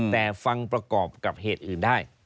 แต่ฟังประกอบกับเหตุอื่นได้